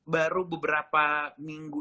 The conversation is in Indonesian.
baru beberapa minggu